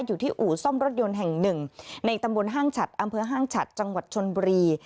อยู่ที่อู่ซ่อมรถยนต์แห่งหนึ่งในตำบลห้างฉัดอำเภอห้างฉัดจังหวัดชนบุรี